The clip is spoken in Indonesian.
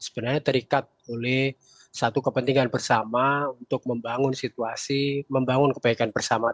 sebenarnya terikat oleh satu kepentingan bersama untuk membangun situasi membangun kebaikan bersama